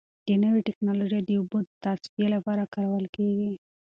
دا نوې ټیکنالوژي د اوبو د تصفیې لپاره کارول کیږي.